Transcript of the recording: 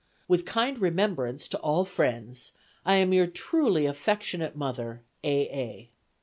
"With kind remembrance to all friends, "I am your truly affectionate mother, "A. A."